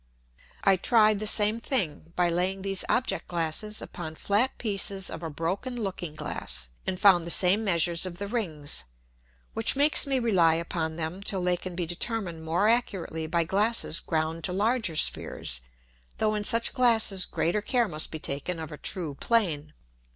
I tried the same Thing, by laying these Object glasses upon flat Pieces of a broken Looking glass, and found the same Measures of the Rings: Which makes me rely upon them till they can be determin'd more accurately by Glasses ground to larger Spheres, though in such Glasses greater care must be taken of a true Plane.